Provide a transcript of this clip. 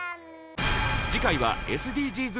次回はＳＤＧｓ